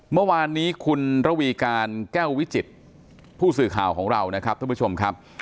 เมื่อวานนี้คุณระวีการแก้ววิจิตรผู้สื่อข่าวของเรานะครับท่านผู้ชมครับ